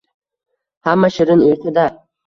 Hamma shirin uyquda